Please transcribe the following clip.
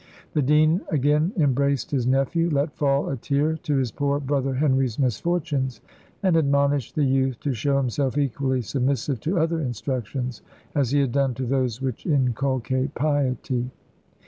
The dean again embraced his nephew, let fall a tear to his poor brother Henry's misfortunes; and admonished the youth to show himself equally submissive to other instructions, as he had done to those which inculcate piety.